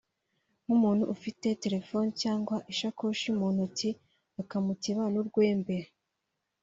nk’umuntu ufite telefoni cyangwa ishakoshi mu ntoki akamukeba n’urwembe